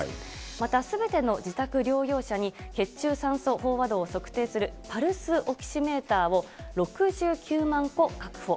またすべての自宅療養者に血中酸素飽和度を測定するパルスオキシメーターを、６９万個確保。